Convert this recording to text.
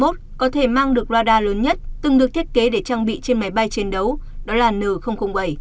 mig ba mươi một có thể mang được radar lớn nhất từng được thiết kế để trang bị trên máy bay chiến đấu đó là n bảy